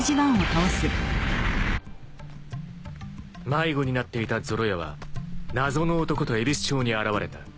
［迷子になっていたゾロ屋は謎の男とえびす町に現れた］